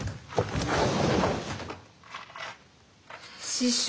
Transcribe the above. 師匠。